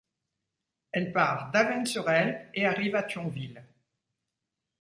Elle part d'Avesnes-sur-Helpe et arrive à Thionville.